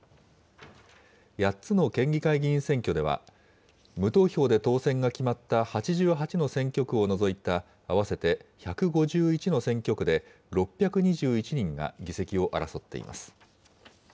８つの県議会議員選挙では、無投票で当選が決まった８８の選挙区を除いた合わせて１５１の選挙区で６２１人が議席を争っています。